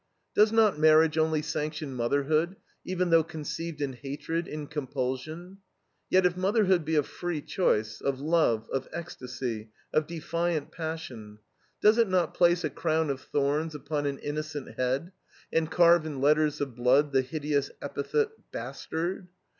Does not marriage only sanction motherhood, even though conceived in hatred, in compulsion? Yet, if motherhood be of free choice, of love, of ecstasy, of defiant passion, does it not place a crown of thorns upon an innocent head and carve in letters of blood the hideous epithet, Bastard?